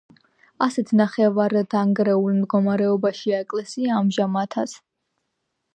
ასეთ ნახევრადდანგრეულ მდგომარეობაშია ეკლესია ამჟამადაც.